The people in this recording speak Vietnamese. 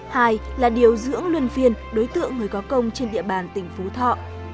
hai là điều dưỡng luân phiên đối tượng người có công trên địa bàn tỉnh phú thọ